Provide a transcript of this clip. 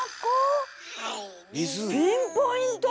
ピンポイント！